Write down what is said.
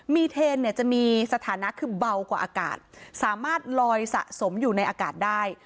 มีเทนเนี่ยจะมีสถานะคือเบากว่าอากาศสามารถลอยสะสมอยู่ในอากาศได้